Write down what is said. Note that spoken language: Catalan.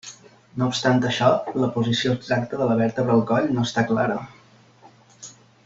No obstant això, la posició exacta de la vèrtebra al coll no està clara.